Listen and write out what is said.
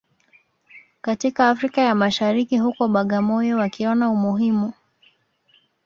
katika Afrika ya Mashariki huko Bagamoyo wakiona umuhimu